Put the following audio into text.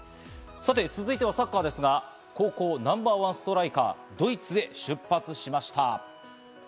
続いてはサッカーですが、高校ナンバーワンストライカー、ドイツへ出発しました。